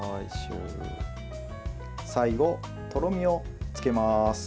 最後、とろみをつけます。